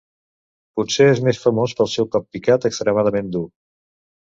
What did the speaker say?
Potser és més famós pel seu cop picat extremadament dur.